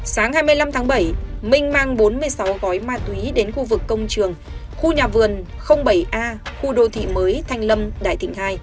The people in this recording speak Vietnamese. sáng hai mươi năm tháng bảy minh mang bốn mươi sáu gói ma túy đến khu vực công trường khu nhà vườn bảy a khu đô thị mới thanh lâm đại thịnh hai